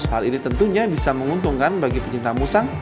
hal ini tentunya bisa menguntungkan bagi pencinta musang